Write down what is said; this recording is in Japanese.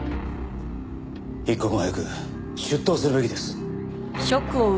一刻も早く出頭するべきです。